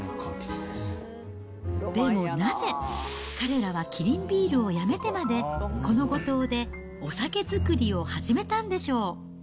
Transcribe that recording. でもなぜ、彼らはキリンビールを辞めてまで、この五島でお酒造りを始めたんでしょう。